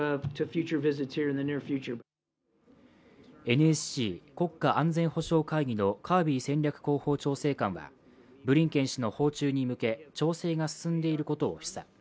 ＮＳＣ＝国家安全保障会議のカービー戦略広報調整官はブリンケン氏の訪中に向け調整が進んでいることを示唆。